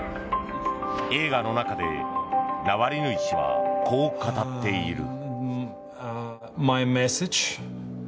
映画の中でナワリヌイ氏はこう語っている。